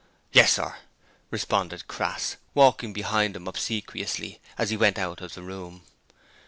'Yes, sir,' responded Crass, walking behind him obsequiously as he went out of the room.